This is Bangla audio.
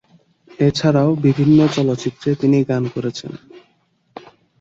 এছাড়াও বিভিন্ন চলচ্চিত্রে তিনি গান করেছেন।